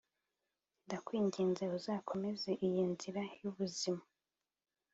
Ndakwinginze uzakomeze iyi nzira y ubuzima